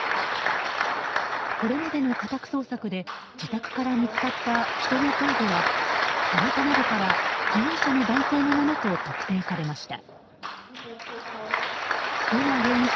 これまでの家宅捜索で自宅から見つかった人の頭部は、歯形などから被害者の男性のものと特定されました。